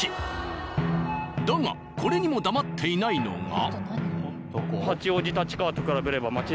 だがこれにも黙っていないのが。